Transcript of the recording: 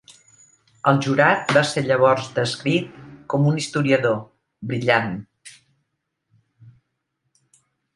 El jurat va ser llavors descrit com un historiador, brillant.